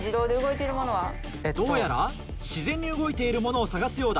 どうやら自然に動いているものを探すようだ。